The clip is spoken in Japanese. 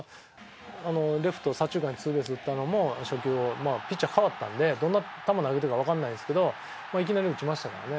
レフト左中間にツーベース打ったのも初球をまあピッチャー代わったんでどんな球投げてくるかわかんないんですけどいきなり打ちましたからね。